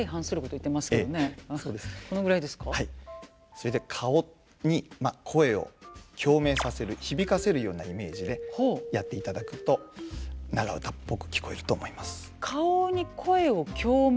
それで顔に声を共鳴させる響かせるようなイメージでやっていただくと長唄っぽく聞こえると思います。